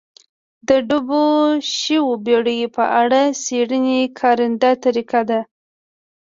د ډوبو شویو بېړیو په اړه څېړنې کارنده طریقه ده